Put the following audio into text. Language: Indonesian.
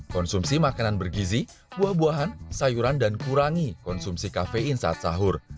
konsumsi makanan bergizi buah buahan sayuran dan kurangi konsumsi kafein saat sahur